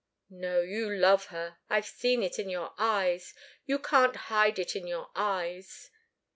"No you love her. I've seen it in your eyes you can't hide it in your eyes.